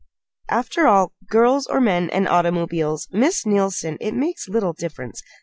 "After all, girls, or men and automobiles, Miss Neilson it makes little difference.